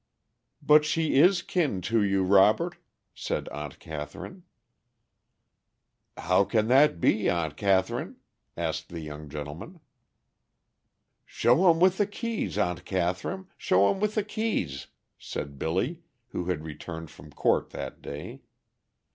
"But she is kin to you, Robert," said Aunt Catherine. "How can that be, Aunt Catherine?" asked the young gentleman. "Show him with the keys, Aunt Catherine, show him with the keys," said Billy, who had returned from court that day.